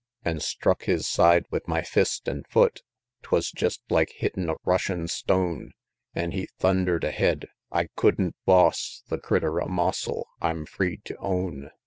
An' struck his side with my fist an' foot 'Twas jest like hittin' a rushin' stone, An' he thunder'd ahead I couldn't boss The critter a mossel, I'm free tew own.